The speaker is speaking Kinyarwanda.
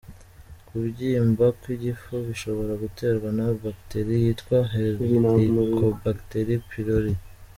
Kubyimba kw’igifu bishobora guterwa na bactérie yitwa Helicobacter pylori.